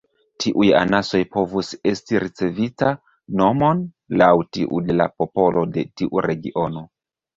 Tiuj anasoj povus esti ricevinta nomon laŭ tiu de la popolo de tiu regiono.